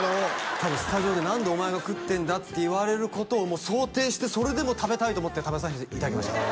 多分スタジオで「何でお前が食ってんだ」って言われることを想定してそれでも食べたいと思って食べさせていただきました